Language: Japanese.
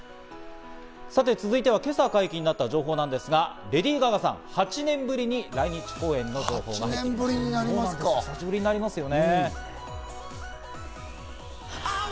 さて続いては今朝解禁になった情報なんですが、レディー・ガガさん、８年ぶりに来日公演８年ぶりになりますか。